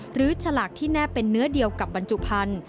ฉลากที่แน่เป็นเนื้อเดียวกับบรรจุภัณฑ์